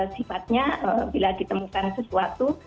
sifatnya bila ditemukan sesuatu